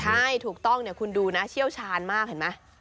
ใช่ถูกต้องคุณดูเชี่ยวชาญมากเห็นไหม